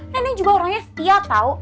nenek juga orangnya setia tau